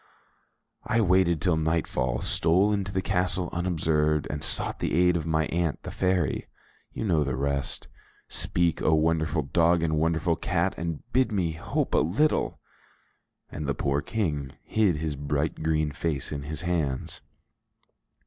I waited till nightfall, stole into the castle unobserved, and sought the aid of my aunt, the fairy. You know the rest. Speak, O wonderful dog and wonderful cat, and bid me hope a little!" And the poor King hid his bright green face in his hands.